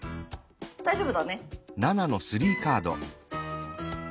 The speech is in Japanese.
大丈夫だね。